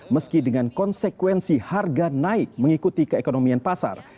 meski dengan konsekuensi harga naik mengikuti keekonomian pasar